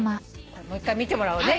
もう１回見てもらおうね